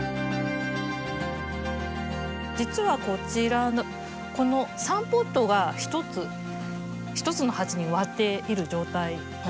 実はこちらのこの３ポットが１つの鉢に植わっている状態なんですね。